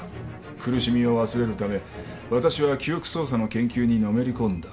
「苦しみを忘れるため私は記憶操作の研究にのめり込んだ」